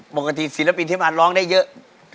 บางทีศีลปีนเที่ยงงานร้องได้เยอะ